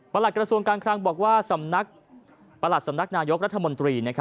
หลักกระทรวงการคลังบอกว่าสำนักประหลัดสำนักนายกรัฐมนตรี